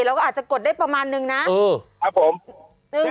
เราอาจจะกดได้ประมาณหนึ่งนะแล้วก็อาจจะกดได้ประมาณหนึ่งนะ